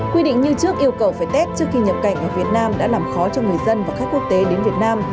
quy định như trước yêu cầu phải tết trước khi nhập cảnh ở việt nam đã làm khó cho người dân và khách quốc tế đến việt nam